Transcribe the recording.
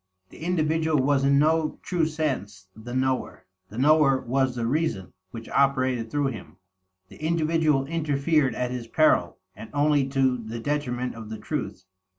The individual was in no true sense the knower; the knower was the "Reason" which operated through him. The individual interfered at his peril, and only to the detriment of the truth.